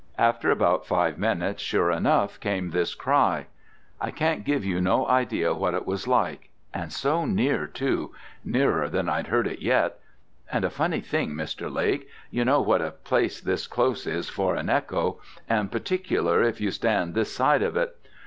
After about five minutes sure enough came this cry. I can't give you no idea what it was like; and so near too nearer than I'd heard it yet and a funny thing, Mr. Lake, you know what a place this Close is for an echo, and particular if you stand this side of it.